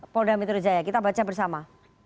polda metro jaya kita baca bersama